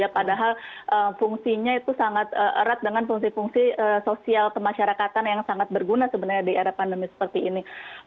padahal fungsinya itu sangat erat dengan fungsi fungsi sosial kemasyarakatan yang sangat berguna sebenarnya di era pandemi seperti ini